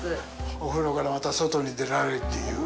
お風呂からまた外に出られるという。